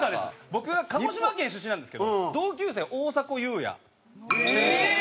僕が鹿児島県出身なんですけど同級生大迫勇也選手がいまして。